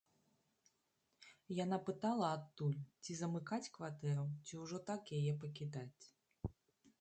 Яна пытала адтуль, ці замыкаць кватэру, ці ўжо так яе пакідаць.